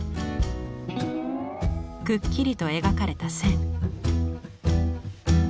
くっきりと描かれた線。